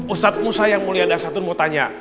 ustadz musa yang mulia dan satun mau tanya